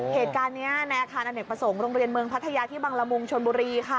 เหตุการณ์เนี่ยค่ะนัดเหตุประสงค์โรงเรียนเมืองพัทยาที่บังรมุงชนบุรีค่ะ